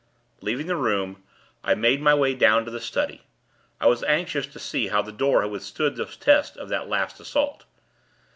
Leaving the room, I made my way down to the study. I was anxious to see how the door had withstood the test of that last assault.